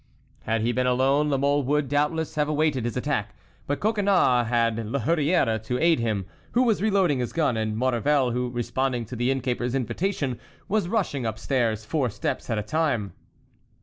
Had he been alone La Mole would, doubtless, have awaited his attack; but Coconnas had La Hurière to aid him, who was reloading his gun, and Maurevel, who, responding to the innkeeper's invitation, was rushing up stairs four steps at a time.